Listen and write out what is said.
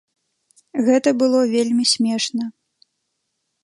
Гэта было вельмі смешна.